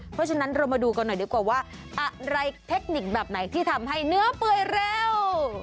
เพราะฉะนั้นเรามาดูกันหน่อยดีกว่าว่าอะไรเทคนิคแบบไหนที่ทำให้เนื้อเปื่อยเร็ว